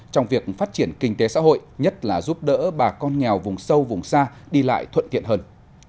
trong việc phát triển kinh tế xã hội nhất là giúp đỡ bà con nghèo vùng sâu vùng xa đi lại thuận tiện hơn